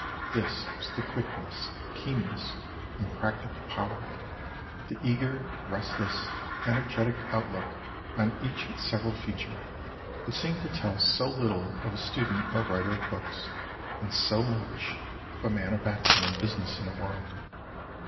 This was the quickness, keenness, and practical power, the eager, restless, energetic outlook on each several feature, that seemed to tell so little of a student or writer of books, and so much of a man of action and business in the world.